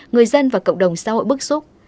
người dân và cộng đồng xã hội bức xúc